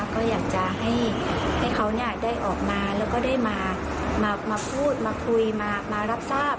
ก็อยากจะให้เขาได้ออกมาแล้วก็ได้มาพูดมาคุยมารับทราบ